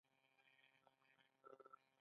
مارکوپولو هوسۍ ولې لوی ښکرونه لري؟